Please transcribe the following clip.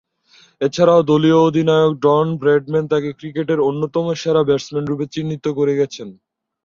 এছাড়াও দলীয় অধিনায়ক ডন ব্র্যাডম্যান তাকে ক্রিকেটের অন্যতম সেরা ব্যাটসম্যানরূপে চিত্রিত করে গেছেন।